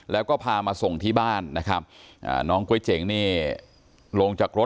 แล้วก็พามาส่งที่บ้านนะครับน้องก๊วยเจ๋งนี่ลงจากรถ